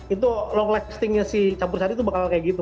itu long lastingnya si campur sari tuh bakal kayak gitu